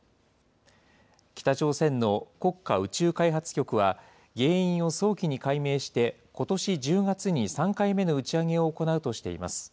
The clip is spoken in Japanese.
北朝鮮の国家宇宙開発局は、原因を早期に解明して、ことし１０月に３回目の打ち上げを行うとしています。